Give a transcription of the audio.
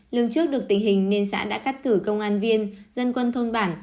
lương trước được tình hình nên xã đã cắt cử công an viên dân quân thôn bản